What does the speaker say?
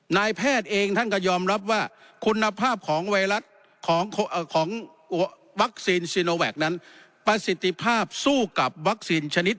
นายแพทย์เองท่านก็ยอมรับว่าคุณภาพของไวรัสของวัคซีนซีโนแวคนั้นประสิทธิภาพสู้กับวัคซีนชนิด